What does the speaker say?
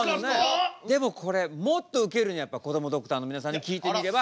でもこれもっとウケるにはやっぱこどもドクターの皆さんに聞いてみれば。